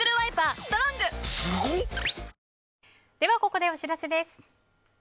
ここでお知らせです。